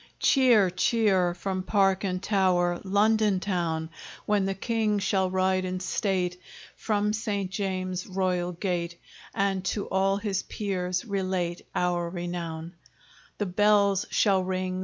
Cheer! cheer! from park and tower, London town! When the King shall ride in state From St. James's royal gate, And to all his peers relate Our renown! The bells shall ring!